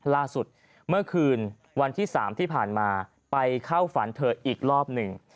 ล่าสุดเมื่อคืนวันที่๓ที่ผ่านมาไปเข้าฝันเธออีกรอบหนึ่ง